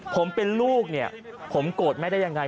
ผมเป็นลูกผมโกรธแม่ได้อย่างไร